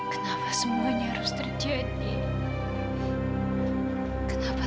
kamu mau menikah dengan siapa